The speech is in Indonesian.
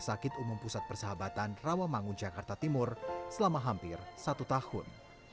sakit umum pusat persidangan di indonesia yang menyebabkan kematian dari virus covid sembilan belas